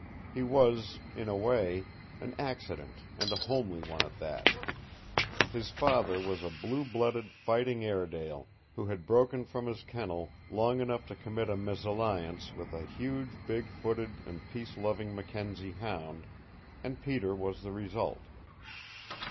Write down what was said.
He was, in a way, an accident and a homely one at that. His father was a blue blooded fighting Airedale who had broken from his kennel long enough to commit a MESALLIANCE with a huge big footed and peace loving Mackenzie hound and Peter was the result.